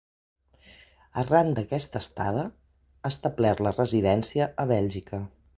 Arran d'aquesta estada, ha establert la residència a Bèlgica.